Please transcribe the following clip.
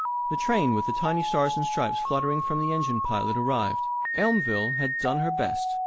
The train with the tiny Stars and Stripes fluttering from the engine pilot arrived. Elmville had done her best.